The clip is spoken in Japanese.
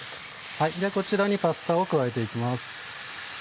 こちらにパスタを加えて行きます。